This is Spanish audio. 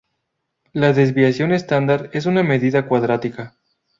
La desviación estándar es una media cuadrática.